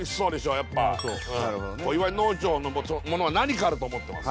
やっぱ小岩井農場のものは何かあると思ってます